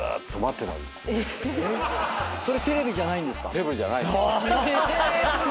それテレビじゃないんですか？